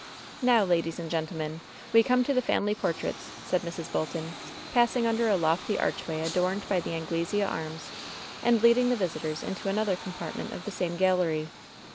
"Now, ladies and gentlemen, we come to the family portraits," said Mrs. Bolton, passing under a lofty arch way adorned by the Anglesea arms, and leading the visitors into another compartment of the same gallery.